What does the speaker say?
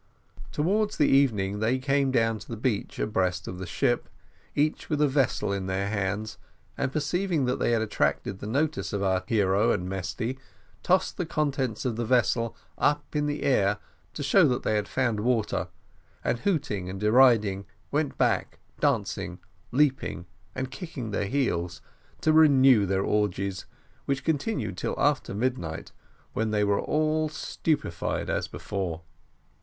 Towards the evening they came down to the beach abreast of the ship, each with a vessel in their hands, and perceiving that they had attracted the notice of our hero and Mesty, tossed the contents of the vessels up in the air to show that they had found water, and hooting and deriding, went back, dancing, leaping, and kicking up their heels, to renew their orgies, which continued till after mid night, when they were all stupified as before.